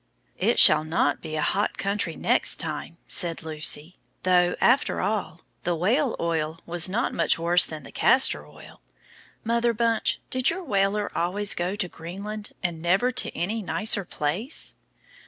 "IT shall not be a hot country next time," said Lucy, "though, after all, the whale oil was not much worse than the castor oil. Mother Bunch, did your whaler always go to Greenland, and never to any nicer place?"